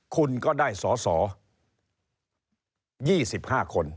คุณก็ได้สอสอ๒๕คน